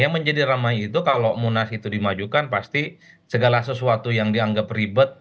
yang menjadi ramai itu kalau munas itu dimajukan pasti segala sesuatu yang dianggap ribet